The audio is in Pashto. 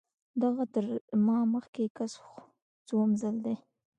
دغه تر ما مخکې کس څووم ځل دی.